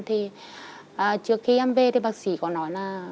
thì trước khi em về thì bác sĩ có nói là